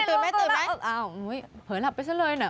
ตื่นไหมอ้าวเผลอหลับไปซะเลยน่ะ